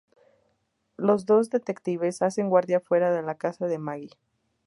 Los dos detectives hacen guardia fuera de la casa de Maggie.